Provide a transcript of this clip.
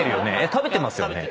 食べてますよね？